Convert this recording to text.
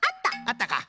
あったか。